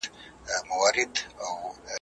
وزیران مي له خبري نه تیریږي ,